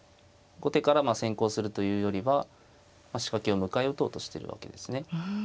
後手から先攻するというよりは仕掛けを迎え撃とうとしているわけですね。